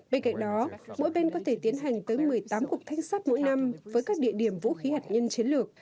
bên cạnh đó mỗi bên có thể tiến hành tới một mươi tám cuộc thanh sát mỗi năm với các địa điểm vũ khí hạt nhân chiến lược